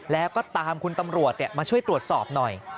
แล้วก็ตามคุณตำรวจมาช่วยตรวจสอบหน่อย